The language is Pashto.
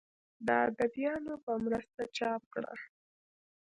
د اديبانو پۀ مرسته چاپ کړه